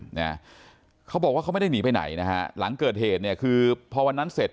เนี่ยเขาบอกว่าเขาไม่ได้หนีไปไหนนะฮะหลังเกิดเหตุเนี่ยคือพอวันนั้นเสร็จ